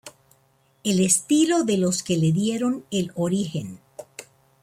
El estilo de los que le dieron el origen.